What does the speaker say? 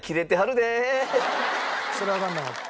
それはわかんなかった。